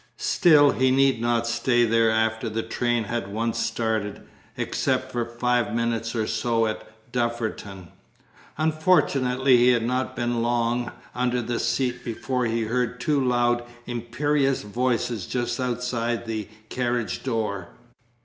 Still he need not stay there after the train had once started, except for five minutes or so at Dufferton. Unfortunately he had not been long under the seat before he heard two loud imperious voices just outside the carriage door.